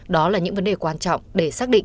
đó là những vấn đề quan trọng để xác định